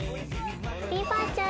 ビーバーちゃん